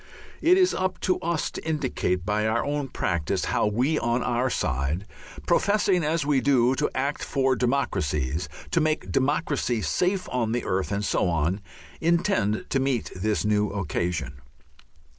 It is up to us to indicate by our own practice how we on our side, professing as we do to act for democracies, to make democracy safe on the earth, and so on, intend to meet this new occasion.